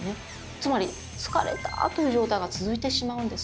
つまり疲れたという状態が続いてしまうんです。